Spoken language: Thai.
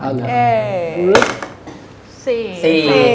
โอเคชนะเลยแล้วกัน